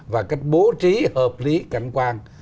và cách bố trí hợp lý cảnh quan